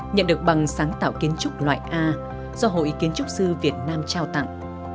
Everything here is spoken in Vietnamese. nhận được bằng sáng tạo kiến trúc loại a do hội kiến trúc sư việt nam trao tặng